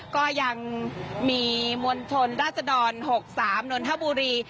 ก็ยังมีมวลชนราชดร๖๓นนทบุรี